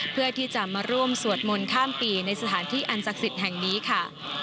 เพื่อที่จะมาร่วมสวดมนต์ข้ามปีในสถานที่อันศักดิ์สิทธิ์แห่งนี้ค่ะ